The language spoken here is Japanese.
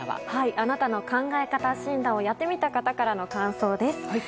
あなたの考え方診断をやってみた方から感想をいただきました。